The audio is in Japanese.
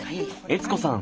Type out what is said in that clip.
悦子さん